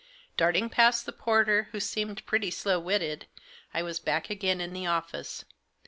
Darting past the porter, who seemed pretty slow witted, I was back again in the office.